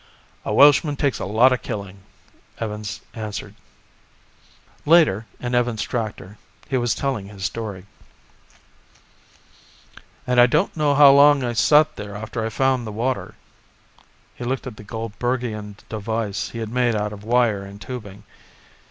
"A Welshman takes a lot of killing," Evans answered. Later, in Evans' tractor, he was telling his story: "... And I don't know how long I sat there after I found the water." He looked at the Goldburgian device he had made out of wire and tubing.